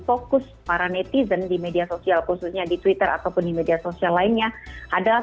fokus para netizen di media sosial khususnya di twitter ataupun di media sosial lainnya adalah